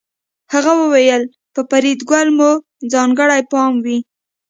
هغه وویل په فریدګل مو ځانګړی پام وي